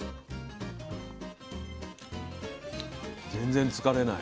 全然つかれない。